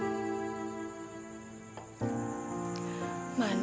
ayo nanti aku berbual sama lee